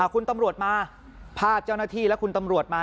คุณตำรวจมาภาพเจ้าหน้าที่และคุณตำรวจมา